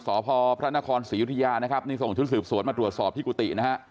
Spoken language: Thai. สพพระนครศรียุธยานะครับนี่ส่งชุดสืบสวนมาตรวจสอบที่กุฏินะฮะ